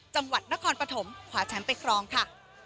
จังหวัดนครปฐมขวาแชมป์ไปครองค่ะ